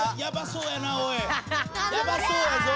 やばそうやぞ！